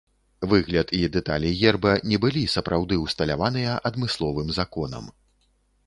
Выгляд і дэталі герба не былі сапраўды ўсталяваныя адмысловым законам.